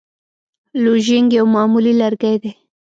لوژینګ یو معمولي لرګی دی.